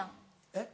えっ？